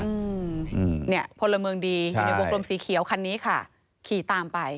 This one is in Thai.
อืมเนี่ยพลเมืองดีอยู่ในวงกลมสีเขียวคันนี้ค่ะขี่ตามไป